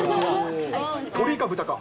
鶏か豚か。